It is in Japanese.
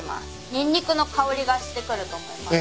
ニンニクの香りがしてくると思います。